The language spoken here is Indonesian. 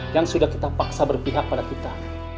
yang sudah kita paksa berpihak pada kita